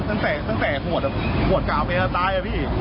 เกิดไปตั้งแต่ขวดกล่าวเนี่ยตายน่ะพี่